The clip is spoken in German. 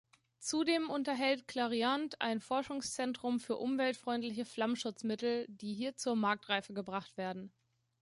Zudem unterhält Clariant ein Forschungszentrum für umweltfreundliche Flammschutzmittel, die hier zur Marktreife gebracht werden.